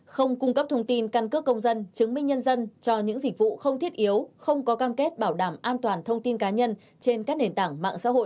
không cung cấp thông tin căn cước công dân chứng minh nhân dân cho những dịch vụ không thiết yếu không có cam kết bảo đảm an toàn thông tin cá nhân trên các nền tảng mạng xã hội